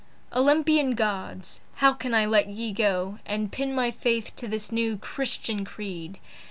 Olympian Gods! how can I let ye go And pin my faith to this new Christian creed?